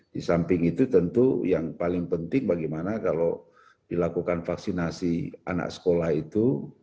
di samping itu tentu yang paling penting bagaimana kalau dilakukan vaksinasi anak sekolah itu